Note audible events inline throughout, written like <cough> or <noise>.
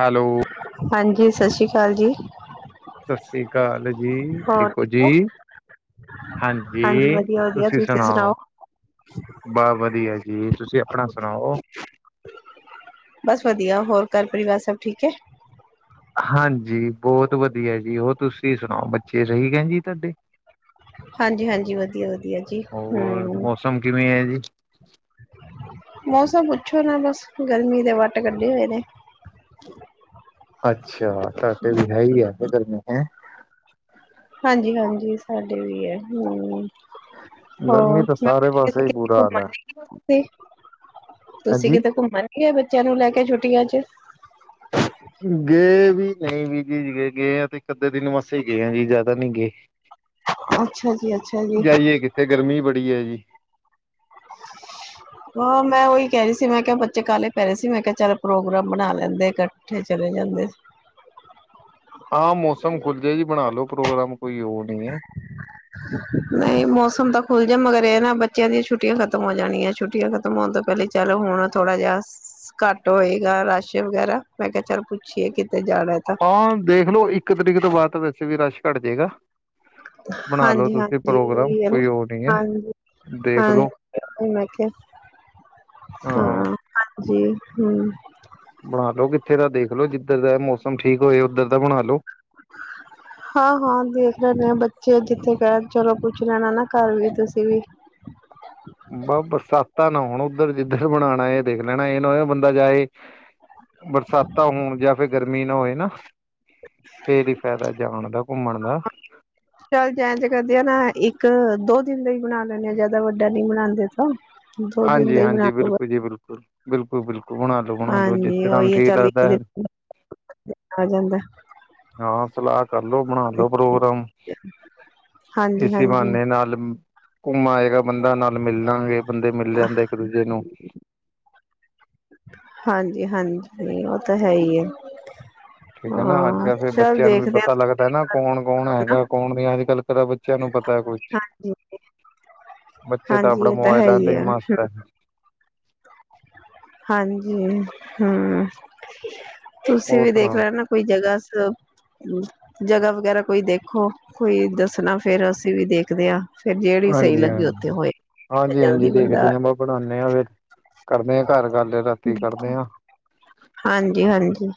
Hello ਹਾਂਜੀ, ਸਤਿ ਸ੍ਰੀ ਅਕਾਲ ਜੀ। ਸਤਿ ਸ੍ਰੀ ਅਕਾਲ ਜੀ, ਠੀਕ ਹੋ ਜੀ? ਹਾਂਜੀ, ਤੁਸੀਂ ਸੁਣਾਓ? ਬਾਹ ਵਧੀਆ ਜੀ, ਤੁਸੀਂ ਅਪਣਾ ਸੁਣਾਓ? ਬਸ ਵਧੀਆ, ਹੋਰ ਘਰ-ਪਰਿਵਾਰ ਸਭ ਠੀਕ ਐ? ਹਾਂਜੀ, ਬਹੁਤ ਵਧੀਆ ਜੀ, ਹੋਰ ਤੁਸੀਂ ਸੁਣਾਓ, ਬੱਚੇ ਸਹੀ ਕੈਂ ਜੀ ਤੁਹਾਡੇ? ਹਾਂਜੀ-ਹਾਂਜੀ, ਵਧੀਆ-ਵਧੀਆ ਜੀ, ਹੋਰ ਹੂੰ ਮੌਸਮ ਕਿਵੇਂ ਐ ਜੀ? ਮੌਸਮ ਪੁੱਛੋ ਨਾ ਬਸ, ਗਰਮੀ ਦੇ ਵੱਟ ਕੱਢੇ ਹੋਏ ਨੇ। ਅੱਛਾ, ਤੁਹਾਟੇ ਵੀ ਹੈਹੀ ਆ, ਗਰਮੀ ਹੈ? ਹਾਂਜੀ-ਹਾਂਜੀ, ਸਾਡੇ ਵੀ ਐ, ਹੂੰ। ਗਰਮੀ ਹੋਰ ਤਾਂ ਸਾਰੇ <unintelligible> ਪਾਸੇ ਹੀ ਬੁਰਾ ਘੁੰਮਣ ਹਾਲ ਹੈ ਨੀ ਗਏ ਤੁਸੀ? ਤੁਸੀਂ ਹਾਂਜੀ ਕਿਤੇ ਘੁੰਮਨ ਨੀ ਗੇ, ਬੱਚਿਆਂ ਨੂੰ ਲੈਕੇ ਛੁੱਟੀਆਂ'ਚ? ਗਏ ਵੀ, ਨਹੀਂ ਵੀ ਜੀ ਗਏ ਆਂ ਤੇ ਇੱਕ-ਅੱਧੇ ਦਿਨ ਵਾਸਤੇ ਈ ਗਏ ਆਂ ਜੀ, ਜ਼ਿਆਦਾ ਨੀ ਗਏ। <inaudible> ਅੱਛਾ ਜੀ, ਅੱਛਾ ਜੀ। ਵਧੀਆ ਜੀ। <inaudible> ਹਾਂ, ਮੈਂ ਉਹੀ ਕਹਿ ਰਹੀ ਸੀ, ਮੈਂ ਕਿਹਾ ਬੱਚੇ ਕਾਹਲੇ ਪੈ ਰਹੇ ਸੀ, ਮੈਂ ਕਿਹਾ ਚੱਲ ਪ੍ਰੋਗਰਾਮ ਬਣਾ ਲੈਂਦੇ ਕ ਕੱਠੇ ਚਲੇ ਜਾਂਦੇ। ਹਾਂ ਮੌਸਮ ਖੁੱਲ ਜੇ ਜੀ, ਬਣਾਲੋ ਪ੍ਰੋਗਰਾਮ ਕੋਈ ਉਹ ਨਹੀਂ ਏ। ਨਹੀਂ ਮੌਸਮ ਤਾਂ ਖੁੱਲਜੇ, ਮਗਰ ਇਹ ਨਾ ਬੱਚਿਆਂ ਦੀਆਂ ਛੁੱਟੀਆਂ ਖਤਮ ਹੋ ਜਾਣੀਆਂ, ਛੁੱਟੀਆਂ ਖ ਖਤਮ ਹੋਣ ਤੋਂ ਪਹਿਲੇ ਈ, ਚੱਲੋ ਹੁਣ ਥੋੜਾ ਜਾ ਘੱਟ ਹੋਏਗਾ ਰਸ਼ ਵਗੈਰਾ, ਮੈਂ ਕਿਹਾ ਚੱਲ ਪੁੱਛੀਏ ਕਿ ਹਾਂ ਦੇਖਲੋ, ਇੱਕ ਤਰੀਕ ਤੋਂ ਬਾਅਦ ਤਾਂ ਵੈਸੇ ਵੀ ਰਸ਼ ਘੱਟ ਜੇਗਾ। ਬਣਾ ਲੋ ਤੁਸੀਂ ਹਾਂਜੀ-ਹਾਂਜੀ, ਪ੍ਰੋਗਰਾਮ ਓਈ ਐ ਨਾ, ਕੋਈ ਉਹ ਨਹੀਂ ਹੈ ਹਾਂਜੀ, ਦੇਖ ਲੋ ਹਾਂ ਮੈਂ ਕਿਹਾ, ਹਾਂ, ਹਾਂਜੀ, ਹੂੰ। ਬਣਾਲੋ ਕਿੱਥੇ ਦਾ, ਦੇਖਲੋੋ, ਜਿੱਧਰ ਦਾ ਮੌਸਮ ਠੀਕ ਹੋਏ, ਉੱਧਰ ਦਾ ਬਣਾਲੋ। ਹਾਂ-ਹਾਂ ਦੇਖ ਲੈਂਦੇ ਆ, ਬੱਚੇ ਜਿੱਥੇ ਕਹਿਣ ਚਲੋ ਪੁੱਛ ਲੈਣਾ ਨਾ, ਘਰ ਵੀ ਤੁਸੀਂ ਵੀ। ਬਸ ਬਰਸਾਤਾ ਨਾ ਹੋਣ, ਉੱਧਰ, ਜਿੱਧਰ ਬਣਾਣਾ ਏ, ਇਹ ਦੇਖ ਲੈਣਾ ਇਹ ਨਾ ਹੋਏ ਬੰਦਾ ਜਾਏ ਬਰਸਾਤਾਂ ਹੋਣ, ਜਾਂ ਫਿਰ ਗਰਮੀ ਨਾ ਹੋਏ ਨਾ। ਫੇਰ ਈ ਫਾਇਦਾ ਏ, ਜਾਣ ਦਾ ਘੁੰਮਣ ਦਾ। ਚੱਲ ਜੈ ਐਂਜ ਕਰਦੇ ਆ ਨਾ, ਇੱਕ-ਦੋ ਦਿਨ ਲਈ ਬਣਾ ਲੈਂਨੇ ਆ, ਜਿਆਦਾ ਵੱਡਾ ਨੀ ਬਣਾਂਦੇ ਤਾਂ, ਦੋ ਦਿਨ ਹਾਂਜੀ ਦਾ ਈ ਬਣਾ ਹਾਂਜੀ ਲ ਬਿਲਕੁਲ ਜੀ, ਬਿਲਕੁਲ, ਬਿਲਕੁਲ-ਬਿਲਕੁਲ, ਹੁਣ ਹਾਂਜੀ, ਓਈ ਏ, ਚੱਲ ਇੱਕ ਦਿਨ <inaudible> ਆ ਜਾਂਦਾ। ਹਾਂ ਸਲਾਹ ਕਰਲੋ, ਬਣਾਲੋੋ ਪ੍ਰੋਗਰਾਮ। ਹਾਂਜੀ ਇਸੀ ਹਾਂਜੀ ਬਹਾਨੇ ਨਾਲ ਘੁੰਮ ਆਏਗਾ ਬੰਦਾ, ਨਾਲ ਮਿਲ ਲਾਂਗੇ, ਬੰਦੇ ਮਿਲ ਜਾਂਦੇ ਇੱਕ-ਦੂਜੇ ਨੂੰ। ਹਾਂਜੀ-ਹਾਂਜੀ, ਉਹ ਤਾ ਹੈਈ ਏ। ਠੀਕ ਆ ਨਾ, ਅੱਜ-ਕਲ ਫੇਰ ਬੱਚਿਆਂ ਨੂੰ ਵੀ ਹਾਂ ਪਤਾ ਲੱਗਦਾ ਨਾ ਕਰਕੇ ਕੌਣ-ਕੌਣ ਹੈਗਾ, ਕੌਣ ਦੀ ਅੱਜ-ਕੱਲ ਤਰਾ ਬੱਚਿਆਂ ਨੂੰ ਪਤਾ ਏ, ਕੁਛ। ਹਾਂਜੀ ਬੱਚੇ ਤਾਂ ਹਾਂਜੀ ਅਪਣਾ ਇਹ ਹੈ ਮੋਬਾਈਲ ਹੀ ਤੇ ਈ ਆ ਮਸਤ ਹੈ। ਹਾਂਜੀ, ਹੂੰ ਤੁਸੀਂ ਹੋਰ ਵੀ ਦੇਖ ਸੁਣਾਓ ਲੈਨਾ। ਕੋਈ ਜਗ੍ਹਾ ਸਭ, ਜਗ੍ਹਾ ਵਗੈਰਾ ਕੋਈ ਦੇਖੋ। ਕੋਈ ਦੱਸਨਾ ਫੇਰ ਅਸੀਂ ਵੀ ਦੇਖਦੇ ਆ ਫੇਰ ਜੇਹੜੀ ਸਹੀ ਹਾਂਜੀ ਹਾਂ ਲੱਗੀ ਉੱਥੇ ਹੋਏ ਤੇ ਜਲਦੀ ਬੰਦਾ। ਬਣਾਨੇ ਆ ਫੇਰ ਕਰਦੇ ਆ ਘਰ ਗੱਲ, ਰਾਤੀ ਕਰਦੇ ਹਾਂ। ਹਾਂਜੀ-ਹਾਂਜੀ।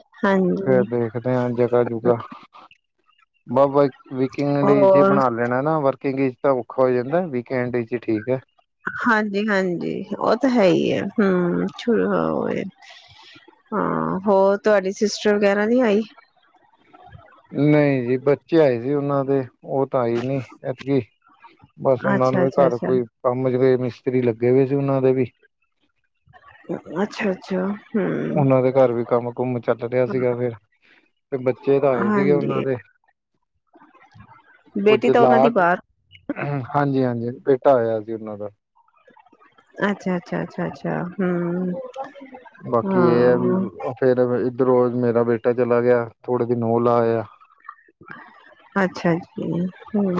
ਫੇਰ ਦੇਖਦੇ ਹਾਂ ਜਗਾ ਜੁਗਾ, ਬਾ ਵਿਕਿੰਗ ਡੇ ਚ ਹੋਰ ਬਣਾ <unintelligible> ਨਾ ਵਰਕਿੰਗ ਚ ਤਾਂ ਔਖਾ ਹੋ ਜਾਂਦੇ ਵੀਕਐਂਡ ਵਿਚ ਠੀਕ ਹੈ। ਹਾਂਜੀ-ਹਾਂਜੀ ਉਹ ਤੇ ਹੈ ਈ ਏ, ਹੂੰ ਸ਼ੁਰੂ ਹੋ ਏ ਹਾਂ, ਹੋਰ ਤੂਹਾਡੀ ਸਿਸਟਰ ਵਗੈਰਾ ਨੀ ਆਈ ਨਈ ਜੀ ਬੱਚੇ ਆਏ ਸੀ ਉਹਨਾਂ ਦੇ। ਉਹ ਤਾਂ ਆਈ ਨੀ ਐਤਕੀਂ ਬਸ ਉਹਨਾ ਨੂੰ ਅੱਛਾ ਵੀ ਅੱਛਾ ਘਰ ਕੋਈ। ਕੰਮ ਜਿਵੇਂ ਮਿਸਤਰੀ ਲੱਗੇ ਹੋਏ ਸੀ ਉਹਨਾਂ ਦੇ ਵੀ। ਅੱਛਾ-ਅੱਛਾ। ਉਹਨਾਂ ਦੇ ਘਰ ਵੀ ਕੰਮ ਕੁੁੰਮ ਚੱਲ ਰਿਹਾ ਸੀਗਾ ਫੇਰ। ਬੱਚੇ ਤਾਂ ਆਏ ਸੀਗੇ ਉਹਨਾਂ ਹਾਂਜੀ ਦੇ। ਬੇਟੀ ਤਾਂ ਉਹਨਾਂ ਦੀ ਬਾਹਰ। ਹਾਂਜੀ-ਹਾਂਜੀ, ਬੇਟਾ ਆਇਆ ਸੀ ਉਹਨਾਂ ਦਾ। ਅੱਛਾ, ਅੱਛਾ, ਅੱਛਾ, ਅੱਛਾ ਹੂੰ। ਬਾਕੀ ਇਹ ਹੈ ਵੀ, ਫੇਰ ਇੱਧਰੋਂ ਮੇਰਾ ਬੇਟਾ ਚਲਾ ਗਿਆ ਥੋੜੇ ਦਿਨ ਉਹ ਲਾਇਆ। ਅੱਛਾ ਜੀ, ਹੂਮ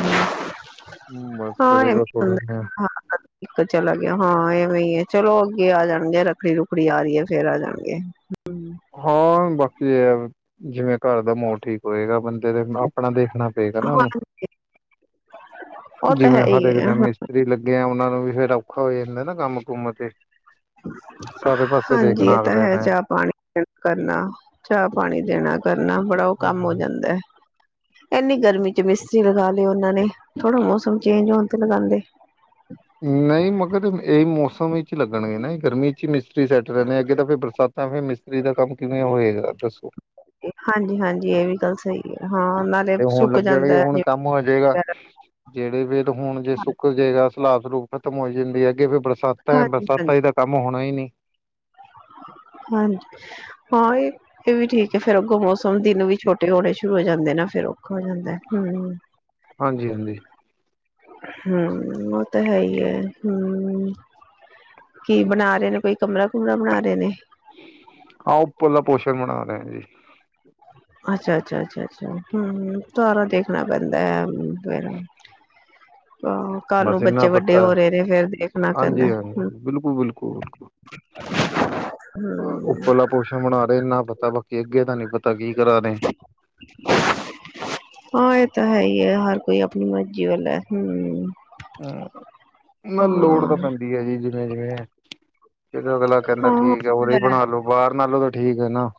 ਬਸ ਫਿਰ ਹਾਂ ਇਹ ਇੱਕ <inaudible> ਥੋੜੇ ਇੱਕ ਚਲਾ ਗਿਆ ਹਾਂ, ਇਹਵੇਂ ਈ ਐ ਚਲੋ ਅੱਗੇ ਆ ਜਾਣਗੇ ਰੱਖੜੀ ਰੁੱਖੜੀ ਆ ਰਹੀ ਹੈ ਫੇਰ ਆ ਜਾਣਗੇ <unintelligible> ਹਾਂ ਬਾਕੀ ਏ ਜਿਵੇਂ ਘਰ ਦਾ ਮੋਹਲ ਠੀਕ ਹੋਏਗਾ ਬੰਦੇ ਦੇ ਆਪਣਾ ਦੇਖਣਾ ਪਏਗਾ ਨਾ ਉਹਨੂੰ ਉਹ ਤਾਂ ਹੈ ਜਿਵੇਂ ਹੀ ਹਰੇਕ ਹੈ ਟੇਮ ਮਿਸ ਤਰੀ ਲੱਗੇ ਐ ਉਹਨਾ ਦਾ ਵੀ ਫੇਰ ਔਖਾ ਹੋ ਜਾਂਦਾ ਨਾ ਕੰਮ ਕੁਮ ਤੇ ਸਾਰੇ ਪਾਸੇ ਹਾਂਜੀ ਦੇਖਣਾ ਇਹ ਤੇ ਅਗਲੇ ਹੈ, ਨੇ ਚਾਹ ਪਾਣੀ ਦੇ ਕਰਨਾ ਚਾਹ ਪਾਣੀ ਦੇਣਾ ਕਰਨਾ ਬੜਾ ਉਹ ਕੰਮ ਹਾਂਜੀ, ਹੋ ਹਾਂਜੀ। ਜਾਂਦੇ ਏਨੀ ਗਰਮੀ ਚ ਮਿਸਤਰੀ ਲਗਾ ਲਏ ਉਹਨਾਂ ਨੇ, ਥੋੜ੍ਹਾ ਮੌਸਮ ਚੇਂਜ ਹੋਨ ਤੇ ਲਗਾਦੇ ਨਹੀਂ ਮਗਰ ਏਈ ਮੌਸਮ ਵਿੱਚ ਲੱਗਣਗੇ ਨਾ, ਗਰਮੀ ਚ ਈ ਮਿਸਤਰੀ ਸੈੱਟ ਰਹਿਨੇ ਅੱਗੇ ਤਾਂ ਫੇਰ ਬਰਸਾਤ ਤਾਂ ਫਿਰ ਮਿਸਤਰੀ ਦਾ ਕੰਮ ਕਿਵੇਂ ਹੋਏਗਾ, ਦੱਸੋ ਹਾਂਜੀ, ਹਾਂਜੀ ਇਹ ਵੀ ਗੱਲ ਸਹੀ ਹੈ, ਹਾਂ ਨਾਲ ਤੇ ਹੋਣ ਲੱਗਣਗੇ ਹੁਣ ਕੰਮ ਹੋ ਜੇਗਾ ਵਗੈਰਾ ਜੇਹੜੇ ਵੇਦ ਹੁਨ ਜੇ ਸੁੱਕ ਜੇਗਾ ਸਲਾਬ ਸਲੂਬ ਖ਼ਤਮ ਹੋ ਜਾਂਦੀ ਹੈ ਅੱਗੇ ਫੇਰ ਬਰਸਾਤਾ ਏ ਹਾਂਜੀ ਹਾਂਜੀ ਬਰਸਾਤਾਂ ਇਚ ਕੰਮ ਹੋਣਾ ਈ ਨੀ ਹਾਂਜੀ ਹਾਂ ਇਹ ਇਹ ਵੀ ਠੀਕ ਹੈ ਫੇਰ ਅੱਗੋਂ ਮੌਸਮ ਦਿਨ ਵੀ ਛੋਟੇ ਹੋਣੇ ਸ਼ੁਰੂ ਹੋ ਜਾਂਦੇ ਨਾ ਫੇਰ ਔਖਾ ਹੋ ਜਾਂਦਾ ਹਮ ਹਾਂਜੀ ਹਾਂਜੀ ਹਮ ਉਹ ਤੇ ਹੈ ਈ ਹੈ, ਹਮ ਕੀ ਬਣਾ ਰਹੇ ਨੇ ਕੋਈ ਕਮਰਾ ਕੂਮਰਾ ਬਣਾ ਰਹੇ ਨੇ ਹਾਂ ਉਪਲਾ ਪੋਸ਼ਣ ਬਣਾ ਰਹੇ ਜੀ ਅੱਛਾ, ਅੱਛਾ, ਅੱਛਾ, ਅੱਛਾ, ਹੂੰ, ਸਾਰਾ ਦੇਖਣਾ ਪੈਂਦਾ ਐ ਫੇਰ। ਆਹ ਕੱਲ ਨੂੰ ਬਸ ਬੱਚੇ ਇੰਨਾ ਵੱਡੇ ਪਤਾ ਹੋ ਰੇ ਨੇ ਫੇਰ ਦੇਖਨਾ ਪੈਂਦਾ, ਹਾਂਜੀ ਹਾਂਜੀ ਹੂੰ। ਬਿਲਕੁਲ ਬਿਲਕੁਲ ਬਿਲਕੁਲ ਉੱਪਰਲਾ ਪੋਸ਼ਨ ਬਨਾ ਰੇ ਇੰਨਾ ਪਤਾ, ਬਾਕੀ ਅੱਗੇ ਦਾ ਨੀ ਪਤਾ ਕੀ ਕਰਾ ਰੇ। ਹਾਂ ਐ ਤਾਂ ਹੈ ਈ ਐ ਹਰ ਕੋਈ ਅਪਨੀ ਮਰਜੀ ਵਾਲਾ ਐ ਹੂੰ। ਹੂੰ, ਨਾ ਲੋੜ ਤਾਂ ਪੈਂਦੀ ਐ ਜੀ ਜਿਵੇਂ-ਜਿਵੇਂ। ਫੇਰ ਅਗਲਾ ਕੈਂਦਾ ਹਾਂ ਠੀਕ ਏ ਉਰੇ ਈ ਬਣਾ ਲੋ। ਬਾਰ ਨਾਲੋਂ ਤਾਂ ਠੀਕ ਐ ਨਾ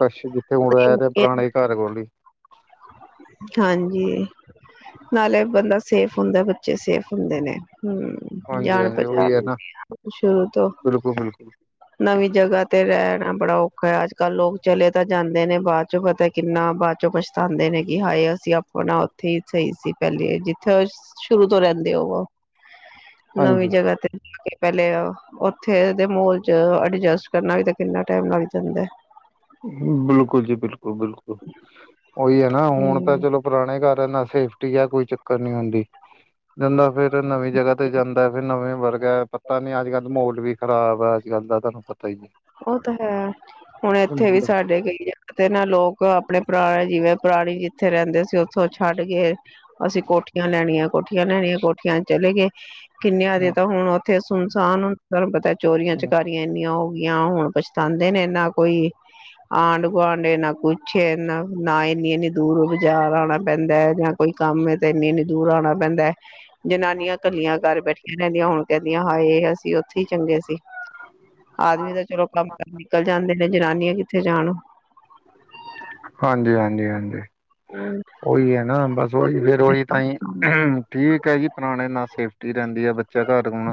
ਕਸ਼ ਜਿੱਥੇ ਹੁਨ ਰੈ ਰੇ ਹਾਂ ਪੁਰਾਣੇ ਘਰ ਕੋੋਲ ਈ। ਹਾਂਜੀ। ਨਾਲੇ ਬੰਦਾ ਸੇਫ ਹੁੰਦਾ, ਬੱਚੇ ਸੇਫ ਹੁੰਦੇ ਨੇ ਹੂੰ। ਹਾਂਜੀ ਜਾਣ ਹਾਂਜੀ ਉਹੀ ਪਚਾਣ ਹੈ ਨਾ ਹੁੰਦੀ ਐ ਸ਼ੁਰੂ ਤੋਂ, ਬਿਲਕੁਲ ਬਿਲਕੁਲ ਨਵੀਂ ਜਗ੍ਹਾ। ਤੇ ਰੈਣਾ ਬੜਾ ਔਖਾ ਐ ਅੱਜ-ਕੱਲ ਲੋਕ ਚਲੇ ਤਾਂ ਜਾਂਦੇ ਨੇ ਬਾਦ ਚੋਂ ਪਤਾ ਕਿੰਨਾ ਬਾਦ ਚੋਂ ਪਛ ਤਾਂਦੇ ਨੇ ਕਿ ਹਾਏ ਅਸੀਂ ਆਪਣਾ ਓਥੇ ਈ ਸਈ ਸੀ ਪੈਲੇ ਜਿੱਥੇ ਸ਼ੁਰੂ ਤੋਂ ਰੈਂਦੇ ਹੋਵੋ ਨਵੀਂ ਹਾਂਜੀ ਜਗ੍ਹਾ ਤੇ ਮਤਲਬ ਕਿ ਪੈਲੇ ਓਥੇ ਦੇ ਮਾਹੋਲ' ਚ ਅਡਜਸਟ ਕਰਨਾ ਵੀ ਤੇ ਕਿੰਨਾ ਟਾਈਮ ਲੱਗ ਜਾਂਦੈ। ਬਿਲਕੁਲ ਜੀ ਬਿਲਕੁਲ, ਬਿਲਕੁਲ ਓਈ ਐ ਨਾ ਹੁਣ ਤਾਂ ਹਮ ਚਲੋ ਪੁਰਾਣੇ ਘਰ ਏਨਾਂ ਸੇਫਟੀ ਐ ਕੋਈ ਚੱਕਰ ਨੀ ਹੁੰਦੀ। ਜਾਂਦਾ ਫੇਰ ਨਵੀਂ ਜਗ੍ਹਾ ਤੇ ਜਾਂਦਾ ਫੇਰ ਨਵੇਂ ਵਰਗਾ ਐ, ਪਤਾ ਨੀ ਅੱਜ-ਕੱਲ ਮੋਹਲ ਵੀ ਖਰਾਬ ਐ ਅੱਜ-ਕੱਲ ਦਾ ਤੁਆਨੂੰ ਪਤਾ ਈ ਐ। ਓ ਤਾਂ ਹੈ ਹੁਣ ਏਥੇ ਵੀ ਸਾਡੇ ਕਈ ਜ ਤੇ ਨਾ ਲੋਕ ਆਪਣੇ ਪੁਰਾਣੇ ਜਿਵੇਂ ਪੁਰਾਣੀ ਜਿੱਥੇ ਰੈਂਦੇ ਸੀ ਓਥੋਂ ਛੱਡ ਕੇ ਅਸੀਂ ਕੋਠੀਆਂ ਲੈਣੀਆਂ, ਕੋਠੀਆਂ ਲੈਣੀਆਂ ਕੋਠੀਆਂ 'ਚ ਚਲੇ ਗਏ ਕਿੰਨਿਆਂ ਦੇ ਤਾਂ ਹੁਣ ਏਥੇ ਸੁਨਸਾਨ ਹੂਨ ਤੁਆਨੁ ਪਤਾ ਚੋਰੀਆਂ ਚਕਾਰੀਆਂ ਇੰਨੀਆਂ ਹੋਗ ਗਿਆਂ ਹੁਣ ਪਛਤਾਾਂਂਦੇ ਨੇ, ਨਾ ਕੋਈ ਆਂਢ ਗੁਆਂਢ ਏ ਨਾ ਕੋਈ ਪਿੱਛੇ ਏਨਾਂ, ਨਾ ਇੰਨੀ ਇਨੀ ਦੂਰੋਂ ਬਾਜ਼ਾਰ ਆਣਾ ਪੈਂਦਾ ਐ ਯਾ ਕੋਈ ਕੰਮ ਤੇ ਇੰਨੀ ਇੰਨੀ ਦੂਰ ਆਣਾ ਪੈਂਦਾ ਐ। ਜਨਾਨੀਆਂ ਕੱਲੀਆਂ ਘਰ ਬੈਠੀਆਂ ਰਹਿੰਦੀਆਂ ਹੁਣ ਕੈਂਦੀਆਂ ਹਾਏ ਅਸੀਂ ਓਥੇ ਈ ਚੰਗੇ ਸੀ। ਆਦਮੀ ਤਾਂ ਚਲੋ ਕੰਮ-ਕਾਰ ਨਿਕਲ ਜਾਂਦੇ ਨੇ ਜਨਾਨੀਆਂ ਕਿੱਥੇ ਜਾਨ। ਹਾਂਜੀ-ਹਾਂਜੀ, ਹਾਂਜੀ। ਔਰ ਉਈ ਐ ਨਾ, ਬਸ ਓਈ ਫੇਰ ਓਈ ਤਾਂ ਈ, ਠੀਕ ਐ ਜੀ ਪੁਰਾਣੇ ਨਾਲ ਸੇਫ ਟੀ ਰੈਂਦੀ ਐ ਬੱਚਾ ਘਰ ਹੋਣ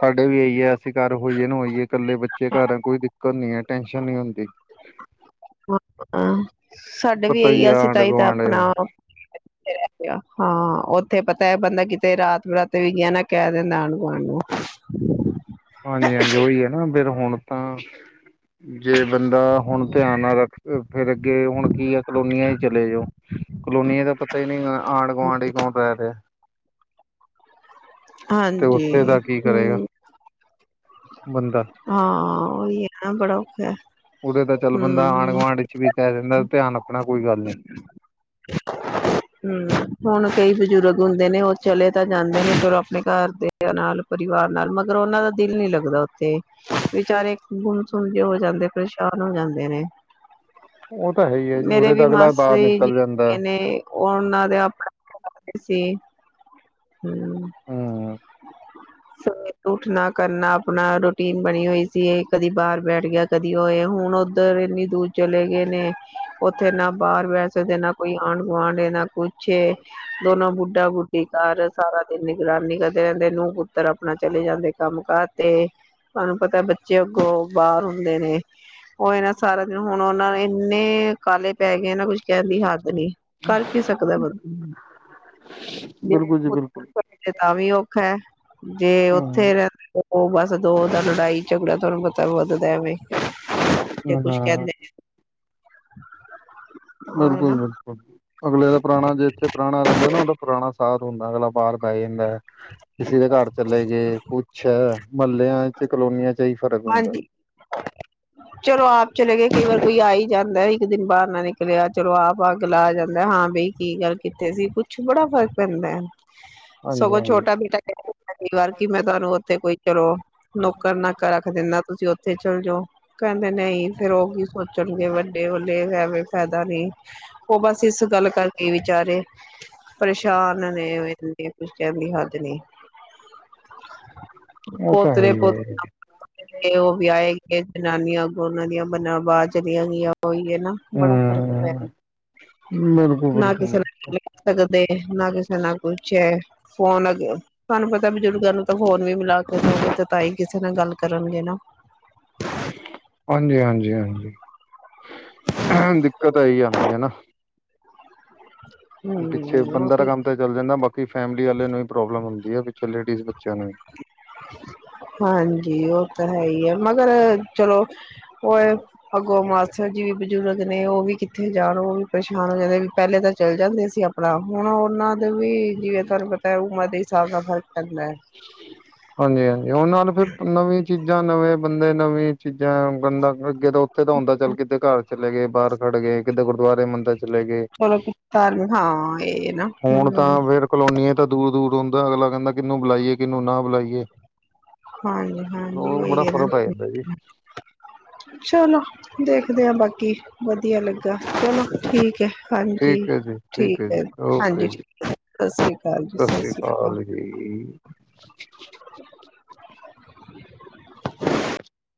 ਸਾਡੇ ਵੀ ਏਈ ਐ, ਅਸੀਂ ਘਰ ਹੋਈਐ ਨ ਹੋਈਐ ਕੱਲੇ ਬੱਚੇ ਘਰ ਕੋਈ ਦਿੱਕਤ ਨੀ ਐ, ਟੈਨਸ਼ਨ ਨੀ ਹੁੰਦੀ। <unintelligible> ਸਾਡੇ਼ ਵੀ ਪਤਾ ਏਈ ਹੀ ਐ, ਆ ਅਸੀਂ ਆਂਢ ਤਾਂ ਈ ਤੇ ਗੁਆਂਢ ਆਪਨਾ <inaudible> ਏਥੇ ਰੈਨੇ ਆਂ, ਹਾਂ ਓਥੇ ਪਤਾ ਐ ਬੰਦਾ ਕਿਤੇ ਰਾਤ-ਬਰਾਤੇ ਵੀ ਗਯਾ ਨਾ ਕੈ ਦੇਂਦਾ ਆਂਢ-ਗੁਆਂਢ ਨੂੰ। ਹਾਂਜੀ-ਹਾਂਜੀ ਓਈ ਐ ਨਾ ਫੇਰ ਹੁਣ ਤਾਂ ਜੇ ਬੰਦਾ ਹੁਨ ਧਿਆਨ ਨਾ ਰੱਖ ਫੇਰ ਅੱਗੇ ਹੁਨ ਕਿ ਆ ਕਲੋਨੀਆਂ 'ਚ ਚਲੇ ਜੋ ਕਲੋਨੀਆ ਦਾ ਪਤਾ ਈ ਨੀ ਹੈਗਾ ਆਂਢ -ਗੁਆਂਢ 'ਚ ਕੌਣ ਰੈ ਰੇਆ? ਤੇ ਹਾਂਜੀ ਓਥੇ ਦਾ ਕੀ ਕਰੇਗਾ, ਹੂੰ ਬੰਦਾ? ਹਾਂ ਓਈ ਐ ਨਾ ਬੜਾ ਔਖਾ ਐ। ਉਰੇ ਤਾਂ ਚੱਲ ਬੰਦਾ ਆਂਢ-ਗੁਆਂਢ 'ਚ ਵੀ ਕੈ ਦੇਂਦਾ ਧਿਆਨ ਰੱਖਣਾ ਕੋਈ ਗੱਲ ਨੀ। ਹੂੰ, ਹੁਨ ਕਈ ਬੁਜ਼ੁਰਗ ਹੁੰਦੇ ਨੇ ਓ ਚਲੇ ਤਾਂ ਜਾਂਦੇ ਨੇ <unintelligible> ਆਪਨੇ ਘਰ ਦੇ ਬੰਦੇਆਂ ਨਾਲ, ਪਰਿਵਾਰ ਨਾਲ ਮਗਰ ਓਨਾਂ ਦਾ ਦਿਲ ਨੀ ਲੱਗ ਦਾ ਓਥੇ ਵਿਚਾਰੇ ਗੁੰਮਸੁਮ ਜੇ ਹੋ ਜਾਂਦੇ ਪਰੇਸ਼ਾਨ ਹੋ ਜਾਂਦੇ ਨੇ। ਉਹ ਤਾਂ ਹੈ ਹੀ ਹੈ ਜੀ ਮੇਰੇ ਉਰੇ ਵੀ ਤਾਂ ਅਗਲਾ ਬਾਹਰ ਮਾਸੀ ਜੀ ਨਿਕਲ ਜਾਂਦਾ ਹੈਗੇ ਹੈ। ਨੇ ਓ ਓਨਾਂ ਦੇ ਆਪ <unintelligible> ਸੀ। ਹੂੰ, ਹੂੰ ਸਵੇਰੇ ਉੱਠਨਾ ਕਰਨਾ ਨਾ ਰੂਟੀਨ ਬਣੀ ਹੋਈ ਸੀ ਏ ਕਦੀ ਬਾਹਰ ਬੈਠ ਗੇਆ ਕਦੀ ਓ ਏ ਹੁਣ ਓਦਰ ਏਨੀ ਦੂਰ ਚਲੇ ਗਏ ਨੇ, ਓਥੇ ਨਾ ਬਾਰ ਬੈ ਨਾ ਕੋਈ ਆਂਡ-ਗੁਆਂਡ ਏ ਨਾ ਕੁੱਛ ਏ। ਦੋਨੋ ਬੁੱਡਾ-ਬੁੱਡੀ ਘਾਰ ਸਾਰਾ ਦਿਨ ਨਿਗਰਾਨੀ ਕਰਦੇ ਰੈਂਦੇ ਨੂੰ-ਪੁੱਤਰ ਆਪਨਾ ਚਲੇ ਜਾਂਦੇ ਕੰਮ-ਕਾਰ ਤੇ ਤੁਆਨੂੰ ਪਤਾ ਬੱਚੇ ਅੱਗੋਂ, ਬਾਰ ਹੁੰਦੇ ਨੇ। ਓ ਏ ਨਾਂ ਸਾਰਾ ਦਿਨ ਹੋਣ ਓਨਾਂ ਐਨੇ, ਕਾਲੇ ਪੈ ਗੇ ਨਾ ਕੁਝ ਕੈਨ ਦੀ ਹਾੱਦ ਨੀ। ਕਰ ਕੀ ਸਕਦਾ ਬੰਦਾ <inaudible> ਬਿਲਕੁਲ ਜੀ ਬਿਲਕੁਲ <unintelligible> ਤਾਂ ਵੀ ਔਖਾ ਐ, ਜੇ ਓਥੇ ਹੂੰ ਰੈ ਓ ਬੱਸ ਦੋ ਦਾ ਲੜਾਈ-ਝਗੜਾ ਤੁਆਨੂੰ ਪਤਾ ਵੱਦਦਾ ਐਵੇ। ਤੇ ਕੁਛ ਹਾਂ ਕੈਂਦੇ ਨੇ ਬਿਲਕੁਲ-ਬਿਲਕੁਲ, ਅਗਲੇ ਦਾ ਪਰਾਣਾ ਜੇ ਏਥੇ ਪਰਾਣਾ ਰੈਂਦਾ ਨਾ ਓਦਾ ਪਰਾਣਾ ਸਾਥ ਹੁੰਦਾ ਅਗਲਾ ਬਾਰ ਬੈ ਜਾਂਦੈ। ਕਿਸੇ ਦੇ ਘਾਰ ਚਲੇ ਗਏ ਕੁਛ ਐ, ਮ੍ਹਲੇਆਂ ਚ ਕਲੋਨੀਆਂ ਚ ਐਈ ਫਰਕ ਹੁੰਦੈ। ਹਾਂਜੀ ਚਲੋ ਆਪ ਚਲੇ ਗਏ ਕਈ ਵਾਰ ਕੋਈ ਆਈ ਜਾਂਦੈ ਇੱਕ ਦਿਨ ਬਾਰ ਨਾ ਨਿਕਲੇਆ ਚਲੋ ਆਪ ਅੱਗਲਾ ਜਾਂਦਾ ਹਾਂ ਬਈ ਕਿ ਗੱਲ ਕਿੱਥੇ ਸੀ ਕੁੱਛ ਬੜਾ ਫ਼ਰਕ ਪੈਂਦੈ, ਹਾਂਜੀ ਸਗੋਂ ਹਾਂਜੀ ਛੋਟਾ ਬੇਟਾ ਕੈਂ ਕਈ ਵਾਰ ਕਿ ਮੈਂ ਤੁਆਨੂੰ ਓਥੇ ਕੋਈ ਚਲੋ, ਨੌਕਰ-ਨਾਕਰ ਰੱਖ ਦੇਨਾ ਤੁਸੀਂ ਓਥੇ ਚੱਲ ਜੋ। ਕੈਂਦਾ ਨਈ ਫੇਰ ਓ ਕੀ ਸੋਚਨਗੇ ਵੱਡੇ ਵਲੇ ਐਵੇਂ ਫੈਦਾ ਨਈ। ਔ ਬਸ ਇਸ ਗੱਲ ਕਰਕੇ ਵਿਚਾਰੇ, ਪਰੇਸ਼ਾਨ ਨੇ <unintelligible> ਫੇਰ ਕੁਝ ਕੈਨ ਦੀ ਹਾੱਦ ਨੀ, ਉਹ ਤਾਂ ਹੈ ਪੋਤਰੇ ਹੀ ਪੁਤ ਹੈ ਤੇ ਓ ਵਿਆਏ ਗੇ ਜਨਾਨੀਆਂ ਅਗੋਂ ਓਨਾਂ ਦੀਆਂ ਬਨਾ ਬਾਰ ਚਲੀਆਂ ਗਈਆਂ ਓਈ ਏ ਨਾ। ਬੜਾ ਫਰਕ ਪੈਂਦਾ ਹਮ ਬਿਲਕੁਲ ਨਾ ਕਿਸੇ ਬਿਲਕੁਲ <unintelligible> ਕਦੋ ਗਏ ਨਾ ਕਿਸੇ ਨਾ ਕੋਈ ਚੈਟ ਫੋਨ ਅਗੇ, ਤੁਆਨੂ ਪਤਾ <unintelligible> ਤੇ ਫੋਨ ਵੀ ਮਿਲਾ ਕੇ ਦੋਗੇ ਤੇ ਤਾਂ ਈ ਕਿਸੇ ਨਾਲ ਗੱਲ ਕਰਨਗੇ ਨਾ। ਹਾਂਜੀ-ਹਾਂਜੀ, ਹਾਂਜੀ ਅਆ ਦਿੱਕਤ ਆਈ ਆਂਦੀ ਐ ਨਾ। <inaudible> ਪਿੱਛੇ ਹੂੰ ਉਹ ਬੰਦਾ ਤਾ ਤੇ ਕੰਮ ਤਾਂ ਚੱਲ ਜਾਂਦਾ ਬਾਕੀ ਫੈਮਲੀ ਆਲੇ ਨੂੰ ਇ ਪ੍ਰੋਬਲਮ ਹੁੰਦੀ ਐ ਪਿੱਛੇ ਲੇਡੀਜ਼ ਬੱਚੇਆਂ ਨੂੰ ਈ। ਹਾਂਜੀ, ਓ ਤਾ ਹੈ ਈ ਐ ਮਗਰ, ਚਲੋ ਓ ਐ, ਅਗੋਂ ਮਾ- ਅੱਛਾ ਜੀ ਵੀ ਬਜ਼ੁਰਗ ਨੇ ਓ ਵੀ ਕਿੱਥੇ ਜਾਨ ਓ ਵੀ ਪਰੇਸ਼ਾਨ ਹੋ ਜਾਂਦੇ ਵੀ ਪੈਲੇ ਤਾਂ ਚੱਲ ਜਾਂਦੇ ਸੀ ਆਪ ਪਲਾ ਹੁਣ ਓਨਾਂ ਦੇ ਵੀ, ਜਿਵੇਂ ਤੁਆਨੂੰ ਪਤਾ ਐ ਉਮਰ ਦੇ ਹਿਸਾਬ ਨਾਲ ਫਰਕ ਪੈਂਦੈੈੈ। ਹਾਂਜੀ-ਹਾਂਜੀ, ਓਨਾਂ ਨੂੰ ਫਿਰ ਨਵੀਂ ਚੀਜ਼ਾਂ ਨਵੇਂ ਬੰਦੇ ਨਵੀਂ ਚੀਜਾ ਬੰਦਾ ਅੱਗੇ ਤਾਂ ਓਥੇ ਦਾ ਹੁੰਦਾ ਚੱਲ ਕਿਤੇ ਘਾਰ ਚਲੇ ਗੇ ਬਾਰ ਖੜ ਗੇ ਕਿੱਤੇ ਗੁਰਦੁਆਰੇ ਮੰਦਰ 'ਚ ਚਲੇ ਗੇ। ਚਲੋ <unintelligible> ਏ ਏ ਨਾ ਹੂੰ ਹੁਣ ਤਾਂ ਫੇਰ ਕਲੋਨੀਆਂ ਤਾਂ ਦੂਰ-ਦੂਰ ਹੁੰਦਾ ਅਗਲਾ ਕੈਂਦਾ ਕਿਨੂੰ ਬੁਲਾਈਏ ਕਿਨੂੰ ਨਾ ਬੁਲਾਈਏ। ਹਾਂਜੀ-ਹਾਂਜੀ, ਉਹ ਓਈ ਬੜਾ ਏ ਨਾ। ਫ਼ਰਕ ਪੈ ਜਾਂਦਾ <inaudible> ਚਲੋ ਦੇਖਦੇ ਆਂ ਬਾਕੀ ਵਦੀਆ ਲੱਗਾ ਚਲੋ ਠੀਕ ਏ। ਹਾਂਜੀ, ਠੀਕ ਹੈ ਜੀ ਹੈ ਠੀਕ ਜੀ ਏ ਓਕੇ ਹਾਂਜੀ ਜੀ ਠੀਕ ਏ ਸਸ੍ਰੀ ਕਾਲ ਜੀ ਸਸ ਸ੍ਰੀ ਕਾਲ। <unintelligible>